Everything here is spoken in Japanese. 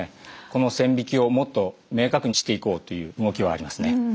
この線引きをもっと明確にしていこうという動きはありますね。